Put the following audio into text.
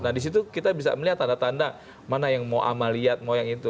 nah disitu kita bisa melihat tanda tanda mana yang mau amaliyat mau yang itu